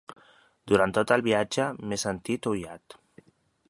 Durant tot el viatge m'he sentit oiat.